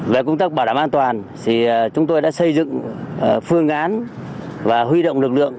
về công tác bảo đảm an toàn chúng tôi đã xây dựng phương án và huy động lực lượng